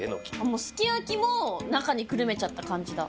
もうすき焼きも中にくるめちゃった感じだ。